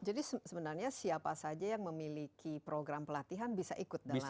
jadi sebenarnya siapa saja yang memiliki program pelatihan bisa ikut dalam program ini